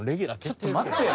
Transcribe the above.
ちょっと待ってよ。